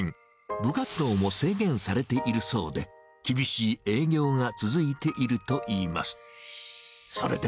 部活動も制限されているそうで、厳しい営業が続いているといいます。